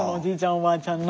おばあちゃんの。